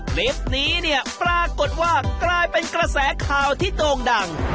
คลิปนี้เนี่ยปรากฏว่ากลายเป็นกระแสข่าวที่โด่งดัง